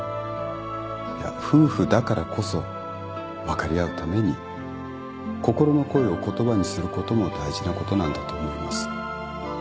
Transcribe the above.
いや夫婦だからこそ分かり合うために心の声を言葉にすることも大事なことなんだと思います。